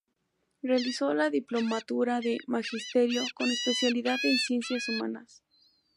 Realizó la Diplomatura de Magisterio, con especialidad en Ciencias Humanas.